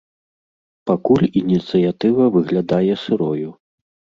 Пакуль ініцыятыва выглядае сырою.